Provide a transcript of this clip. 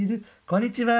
こんにちは。